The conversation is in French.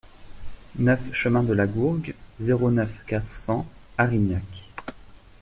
neuf chemin de la Gourgue, zéro neuf, quatre cents Arignac